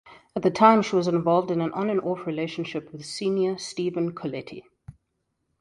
At the time, she was involved in an on-and-off relationship with senior Stephen Colletti.